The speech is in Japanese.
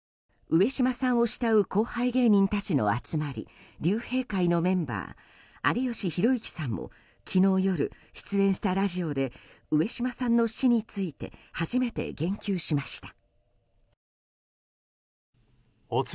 上島さんを慕う後輩芸人たちの集まり竜兵会のメンバー有吉弘行さんも昨日夜、出演したラジオで上島さんの死について初めて言及しました。